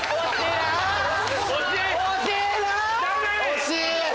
惜しいな！